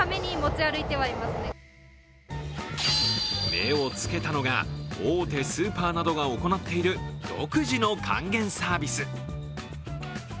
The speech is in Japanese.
目をつけたのが、大手スーパーなどが行っている独自の還元サービス。